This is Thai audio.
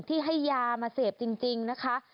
ที่ให้ยามาเสพจริงนะคะ